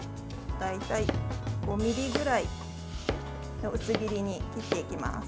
大体５ｍｍぐらいの薄切りに切っていきます。